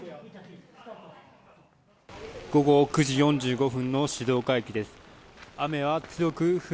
午後９時４５分の静岡駅です。